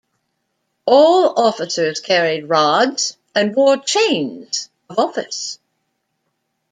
All officers carried rods and wore chains of office.